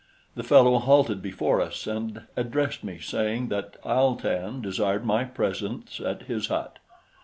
The fellow halted before us and addressed me, saying that Al tan desired my presence at his hut.